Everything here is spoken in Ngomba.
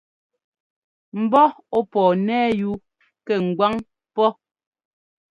Mbɔ́ ɔ́ pɔɔ nɛ́ yú kɛ ŋgwáŋ pɔ́.